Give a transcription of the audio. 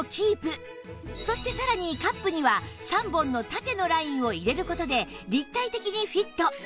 そしてさらにカップには３本の縦のラインを入れる事で立体的にフィット